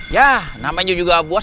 yah namanya juga bosnya